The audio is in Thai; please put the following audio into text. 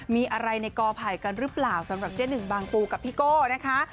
มีอะไรในกอไผ่กันหรือเปล่าสำหรับเจ๊หนึ่งบางปูกับพี่โก้นะคะ